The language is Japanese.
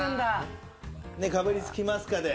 「かぶりつきますか？」